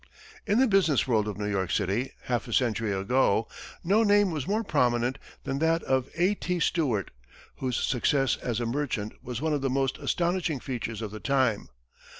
In the business world of New York City, half a century ago, no name was more prominent than that of A. T. Stewart, whose success as a merchant was one of the most astonishing features of the time.